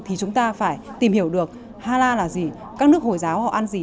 thì chúng ta phải tìm hiểu được hà lan là gì các nước hồi giáo họ ăn gì